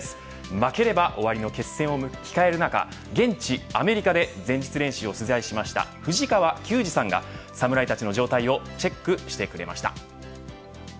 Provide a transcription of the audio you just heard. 負ければ終わりの決戦を控える中現地、アメリカで前日練習を取材しました藤川球児さんが、侍たちの状態をチェックしてくれました。